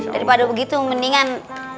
daripada begitu mendingan